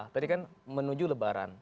tadi kan menuju lebaran